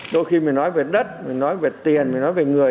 đôi khi mình nói về đất mình nói về tiền mình nói về người